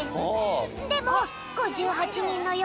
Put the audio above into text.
でも５８にんのよ